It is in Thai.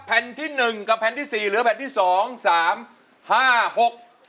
แผ่นที่หนึ่งกับแผ่นที่สี่เหลือแผ่นที่สองสามห้าหก